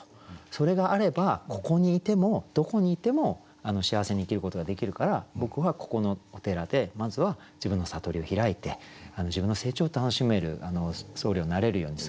それがあればここにいてもどこにいても幸せに生きることができるから僕はここのお寺でまずは自分の悟りを開いて自分の成長を楽しめる僧侶になれるように。